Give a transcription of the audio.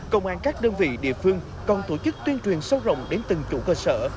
công an các đơn vị địa phương còn tổ chức tuyên truyền sâu rộng đến từng chủ cơ sở